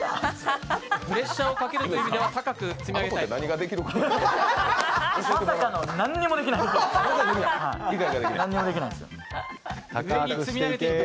プレッシャーをかけるという意味では高く積み上げたい。